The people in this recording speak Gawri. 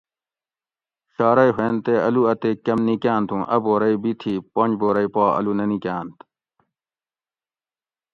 شارئی ہوئنت تے اۤلو اتیک کۤم نِکاۤنت اُوں اۤ بورئی بی تھی پنج بورئی پا اۤلو نہ نِکانت